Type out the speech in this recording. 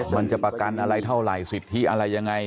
มันจะประกันอะไรเท่าไหร่สิทธิอะไรยังไง